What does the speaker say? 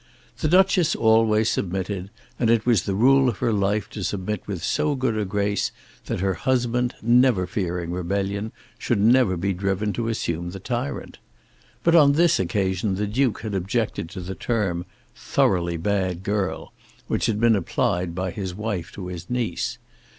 The Duchess always submitted, and it was the rule of her life to submit with so good a grace that her husband, never fearing rebellion, should never be driven to assume the tyrant. But on this occasion the Duke had objected to the term "thoroughly bad girl" which had been applied by his wife to his niece.